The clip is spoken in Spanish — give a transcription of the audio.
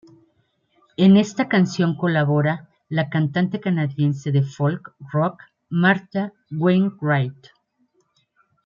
En esta canción colabora la cantante canadiense de folk rock Martha Wainwright.